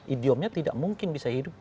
idiomnya tidak mungkin bisa hidup